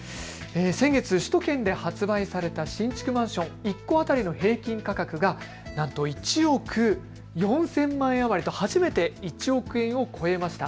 先月、首都圏で発売された新築マンション１戸当たりの平均価格がなんと１億４０００万円余りと初めて１億円を超えました。